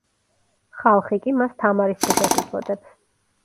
ხალხი კი მას თამარის ციხეს უწოდებს.